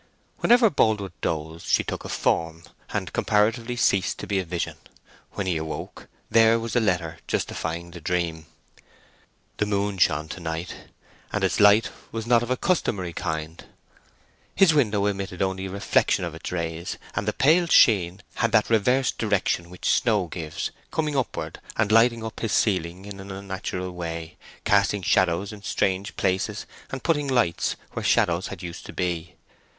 Whenever Boldwood dozed she took a form, and comparatively ceased to be a vision: when he awoke there was the letter justifying the dream. The moon shone to night, and its light was not of a customary kind. His window admitted only a reflection of its rays, and the pale sheen had that reversed direction which snow gives, coming upward and lighting up his ceiling in an unnatural way, casting shadows in strange places, and putting lights where shadows had used to be.